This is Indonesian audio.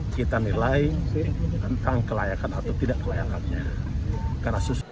kita nilai tentang kelayakan atau tidak kelayakannya